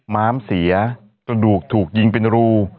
ม้ามเสียกระดูกถูกยิงเป็นรู